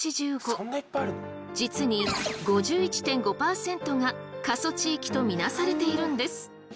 実に５１．５％が過疎地域と見なされているんです！